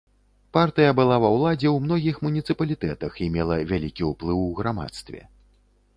Партыя была ва ўладзе ў многіх муніцыпалітэтах і мела вялікі ўплыў у грамадстве.